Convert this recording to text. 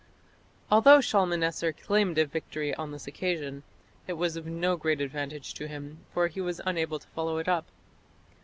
Although Shalmaneser claimed a victory on this occasion, it was of no great advantage to him, for he was unable to follow it up.